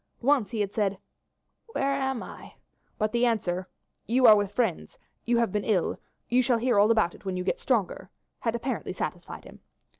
Once he had said, "Where am I?" but the answer "You are with friends; you have been ill; you shall hear all about it when you get stronger," had apparently satisfied him.